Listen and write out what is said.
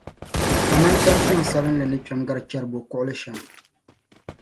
Kaman tampiŋ sabinli ni kpɛm’ gari chɛribokuɣili shɛm.